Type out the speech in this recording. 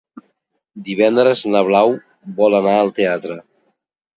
Divendres na Blau vol anar al teatre.